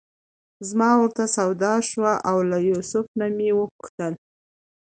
زما ورته سودا شوه او له یوسف نه مې وپوښتل.